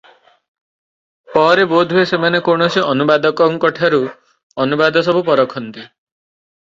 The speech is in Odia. ପରେ ବୋଧ ହୁଏ ସେମାନେ କୌଣସି ଅନୁବାଦକଙ୍କଠୁ ଅନୁବାଦସବୁକୁ ପରଖନ୍ତି ।